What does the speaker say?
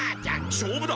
しょうぶだ！